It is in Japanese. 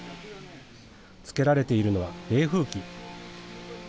付けられているのは冷風機。